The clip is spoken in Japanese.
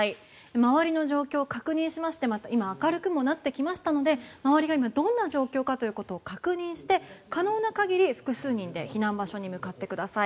周りの状況を確認しまして今、明るくもなってきましたので周りが今、どんな状況かということを確認して可能な限り複数人で避難場所に向かってください。